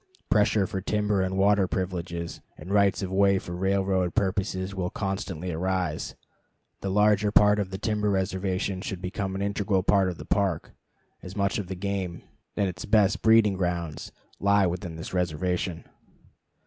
Pressure for timber and water privileges, and rights of way for railroad purposes, will constantly arise. The larger part of the timber reservation should become an integral part of the Park, as much of the game, and its best breeding grounds, lie within this reservation.